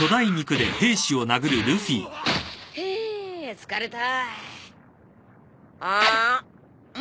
疲れた。